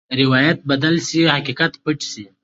روایت بدل شي، حقیقت پټ شي.